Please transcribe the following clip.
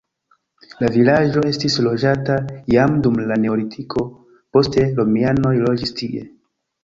La vilaĝo estis loĝata jam dum la neolitiko, poste romianoj loĝis tie.